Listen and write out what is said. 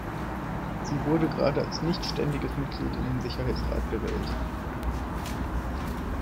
Sie wurde gerade als nichtständiges Mitglied in den Sicherheitsrat gewählt.